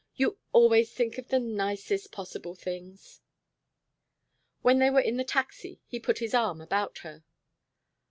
You always think of the nicest possible things." When they were in the taxi he put his arm about her.